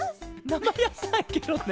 なまやさいケロね！